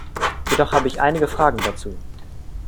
Jedoch habe ich einige Fragen dazu.